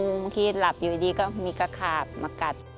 เมื่อกี้หลับอยู่ดีก็มีกระขาบมากัด